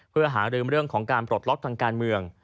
เพื่อหารือเรื่องของการปลดล็อกทางการเมือง